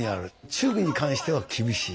忠義に関しては厳しい。